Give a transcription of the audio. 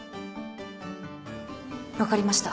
分かりました。